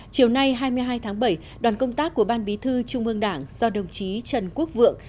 chiều nay hai mươi hai tháng bảy đoàn công tác của ban bí thư trung ương đảng do đồng chí trần quốc vượng